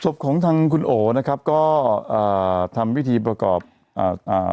สวบของทางคุณโอนะครับก็เอ่อทำวิธีประกอบเอ่อเอ่อ